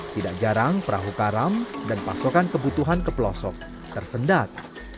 tidak jarang perahu karam dan pasokan kebutuhan ke pelosok tersendat